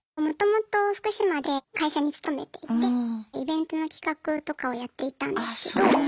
もともと福島で会社に勤めていてイベントの企画とかをやっていたんですけど。